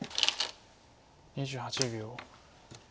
２８秒。